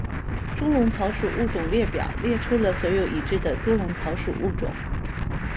猪笼草属物种列表列出了所有已知的猪笼草属物种。